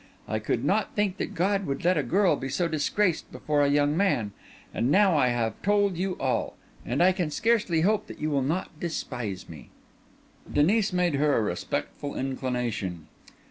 I could not think that God would let a girl be so disgraced before a young man. And now I have told you all; and I can scarcely hope that you will not despise me." Denis made her a respectful inclination.